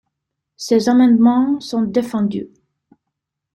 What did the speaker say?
Ces amendements sont défendus.